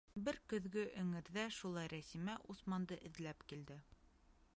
Бер көҙгө эңерҙә шулай Рәсимә Усманды эҙләп килде.